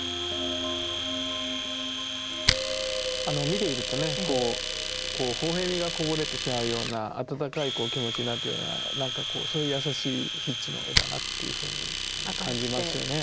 見ているとねこうほほ笑みがこぼれてしまうような温かい気持ちになるようなそういう優しい筆致の絵だなというふうに感じますよね。